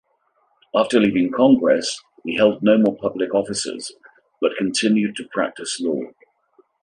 After leaving Congress, he held no more public offices, but continued to practice law.